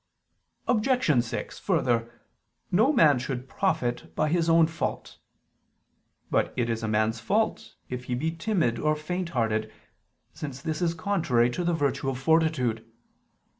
Obj. 6: Further, no man should profit by his own fault. But it is a man's fault if he be timid or faint hearted: since this is contrary to the virtue of fortitude.